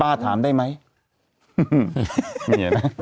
ป้าถามได้ไหม